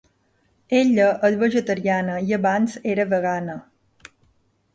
Ella és vegetariana i abans era vegana.